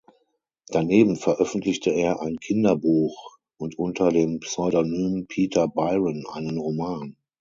Daneben veröffentlichte er ein Kinderbuch und unter dem Pseudonym Peter Biron einen Roman.